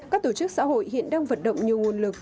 các tổ chức xã hội hiện đang vận động nhiều nguồn lực